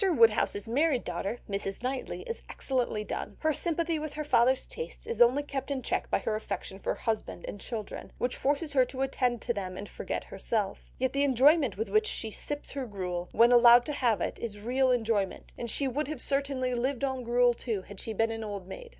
Woodhouse's married daughter, Mrs. Knightley, is excellently done; her sympathy with her father's tastes is only kept in check by her affection for husband and children, which forces her to attend to them and forget herself; yet the enjoyment with which she sips her gruel, when allowed to have it, is real enjoyment, and she would have certainly lived on gruel too had she been an old maid.